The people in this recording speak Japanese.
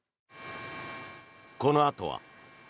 このあとは。